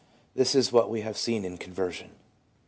This is what we have seen in conversion.